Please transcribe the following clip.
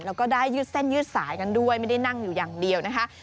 แล้วก็ได้ยืดเส้นยืดสายกันด้วยไม่ได้นั่งอยู่อย่างเดียวนะคะ